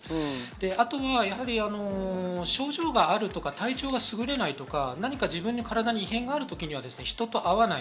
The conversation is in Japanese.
あとは症状があるとか、体調がすぐれないとか、何か自分の体に異変がある時は人と合わない。